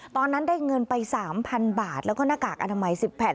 ตอนนั้นได้เงินไป๓๐๐๐บาทแล้วก็หน้ากากอนามัย๑๐แผ่น